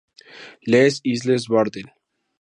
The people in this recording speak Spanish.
Les Isles-Bardel